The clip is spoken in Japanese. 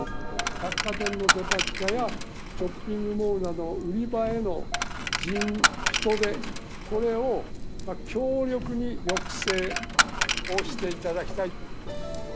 百貨店のデパ地下や、ショッピングモールなど、売り場への人出、これを強力に抑制をしていただきたい。